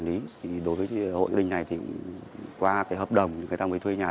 đối với hội hội đình này đối với hội hội đình này đối với hội hội đình này đối với hội hội đình này